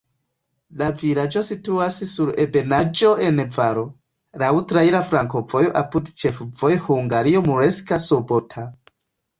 La vilaĝo situas sur ebenaĵo en valo, laŭ traira flankovojo apud ĉefvojo Hungario-Murska Sobota.